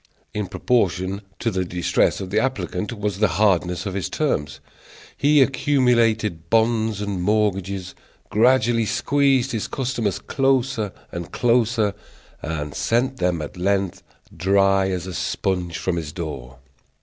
In proportion to the distress of the applicant was the hardness of his terms. He accumulated bonds and mortgages, gradually squeezed his customers closer and closer, and sent them at length, dry as a sponge, from his door.